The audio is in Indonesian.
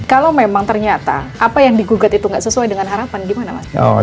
kalau memang ternyata apa yang digugat itu nggak sesuai dengan harapan gimana mas